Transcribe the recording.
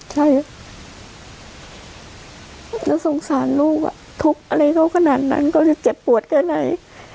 ใช่แล้วสงสารลูกอ่ะทุกข์อะไรเขาขนาดนั้นเขาจะเจ็บปวดแค่ไหน